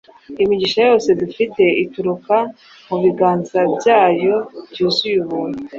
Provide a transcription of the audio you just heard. Imigisha yose dufite ituruka mu biganza byayo byuzuye ubuntu.